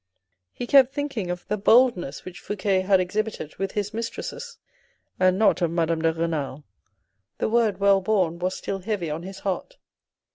He kept thinking of the boldness which Fouque had exhibited with his mistresses and not of Madame de Renal ; the word " well born " was still heavy on his heart.